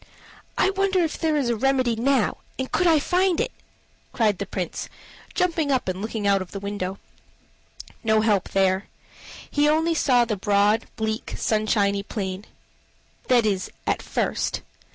"I wonder is there a remedy now, and could I find it?" cried the Prince, jumping up and looking out of the window. No help there. He only saw the broad, bleak, sunshiny plain that is, at first.